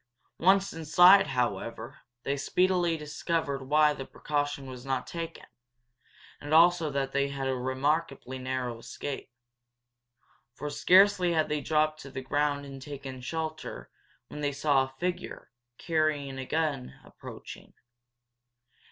Once inside, however, they speedily discovered why that precaution was not taken and also that they had had a remarkably narrow escape. For scarcely had they dropped to the ground and taken shelter when they saw a figure, carrying a gun, approaching.